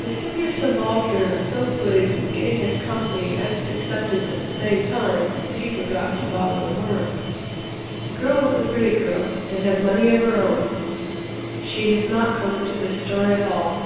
The Senior Subaltern was so pleased with getting his Company and his acceptance at the same time that he forgot to bother The Worm. The girl was a pretty girl, and had money of her own. She does not come into this story at all.